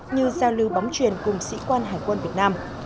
như giao lưu bóng truyền cùng sĩ quan hải quân việt nam